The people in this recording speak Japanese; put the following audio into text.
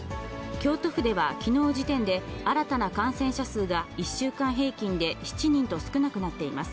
京都府ではきのう時点で、新たな感染者数が１週間平均で７人と少なくなっています。